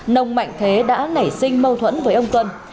nông mạnh thế đã nảy sinh mâu thuẫn với ông tuân